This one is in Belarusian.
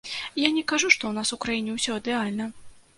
Я не кажу, што ў нас у краіне ўсё ідэальна.